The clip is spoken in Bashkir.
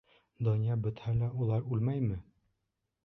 — Донъя бөтһә лә улар үлмәйме?